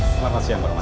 selamat siang pak